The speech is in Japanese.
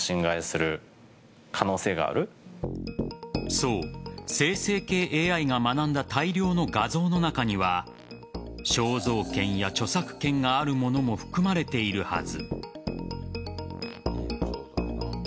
そう、生成系ＡＩが学んだ大量の画像の中には肖像権や著作権があるものも含まれているはず。